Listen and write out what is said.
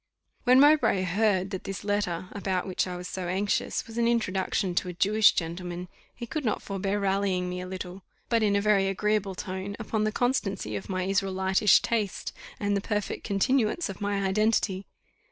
When Mowbray heard that this letter, about which I was so anxious, was an introduction to a Jewish gentleman, he could not forbear rallying me a little, but in a very agreeable tone, upon the constancy of my Israelitish taste, and the perfect continuance of my identity.